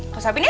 aku suapin ya